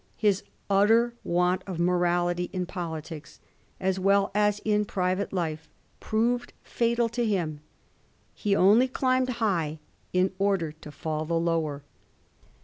His utter want of morality in politics, as well as hi private life, proved fatal to him ; he only climbed high in order to fall the lower.